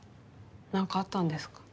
何かあったんですか？